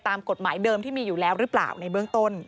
ตามกฎหมายเดิมที่มีอยู่แล้วหรือเปล่าในเบื้องต้น